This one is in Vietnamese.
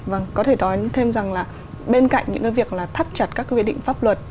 vâng có thể nói thêm rằng là bên cạnh những cái việc là thắt chặt các quy định pháp luật